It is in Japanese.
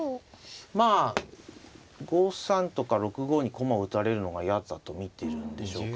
まあ５三とか６五に駒を打たれるのが嫌だと見てるんでしょうかね。